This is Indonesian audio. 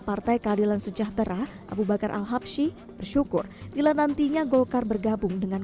partai keadilan sejahtera abu bakar al habshi bersyukur bila nantinya golkar bergabung dengan